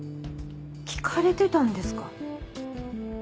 聞かれてたんですか？